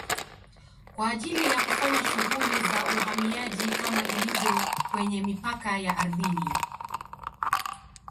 kwa ajili ya kufanya shughuli za uhamiaji kama ilivyo kwenye mipaka ya ardhini